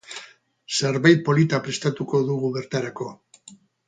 Zerbait polita prestatuko dugu bertarako.